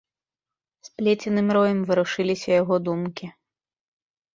Сплеценым роем варушыліся яго думкі.